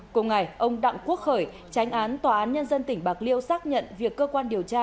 cùng ngày ông đặng quốc khởi tránh án tòa án nhân dân tỉnh bạc liêu xác nhận việc cơ quan điều tra